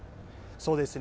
そうですね。